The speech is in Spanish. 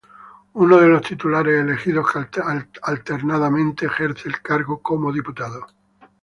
Uno de los titulares, elegido alternadamente, ejerce el cargo como diputado.